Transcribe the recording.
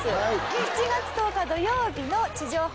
７月１０日土曜日の地上波放送直後